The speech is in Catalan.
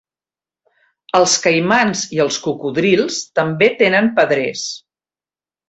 Els caimans i els cocodrils també tenen pedrers.